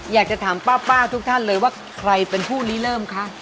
อยากจะถามป้าทุกท่านเลยว่าใครเป็นผู้ลีเริ่มคะ